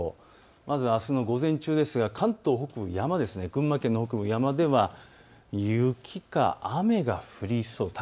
まずあすの午前中ですが関東北部、群馬県の北部、山では雪か雨が降りそう。